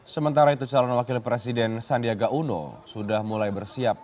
sementara itu calon wakil presiden sandiaga uno sudah mulai bersiap